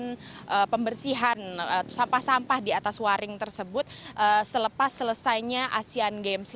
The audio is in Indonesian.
untuk melakukan pembersihan sampah sampah di atas waring tersebut selepas selesainya asean games